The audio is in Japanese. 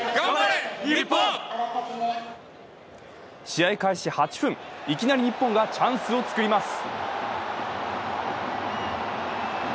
試合開始８分、いきなり日本がチャンスを作ります。